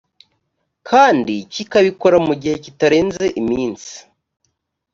kandi kikabikora mu gihe kitarenze iminsi